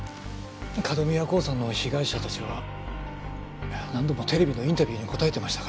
角宮興産の被害者たちは何度もテレビのインタビューに答えてましたから。